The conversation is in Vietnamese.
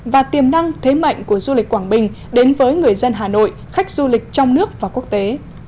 và tiềm năng thế mạnh của du lịch quảng bình đến với người dân hà nội khách du lịch trong nước và quốc tế